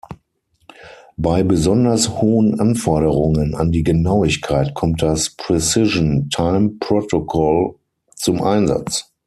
Bei besonders hohen Anforderungen an die Genauigkeit kommt das Precision Time Protocol zum Einsatz.